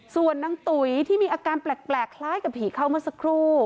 ส่วนนางตุ๋ยที่มีอาการแปลกคล้ายกับผีเข้ามาสักครู่